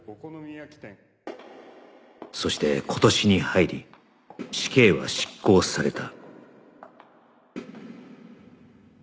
そして今年に入り死刑は執行された